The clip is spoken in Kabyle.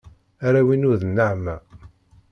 Arraw-inu d nneɛma.